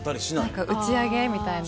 何か打ち上げみたいな。